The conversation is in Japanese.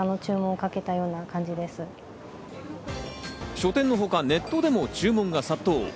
書店のほか、ネットでも注文が殺到。